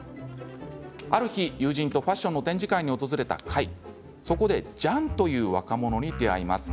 ある日、友人とファッションの展示会に訪れた開はジャンという若者に出会います。